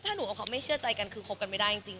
ถ้าหนูกับเขาไม่เชื่อใจกันคือคบกันไม่ได้จริง